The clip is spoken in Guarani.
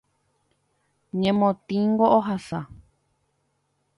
Ñemotĩngo ohasa.